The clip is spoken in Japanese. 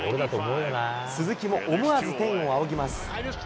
鈴木も思わず天を仰ぎます。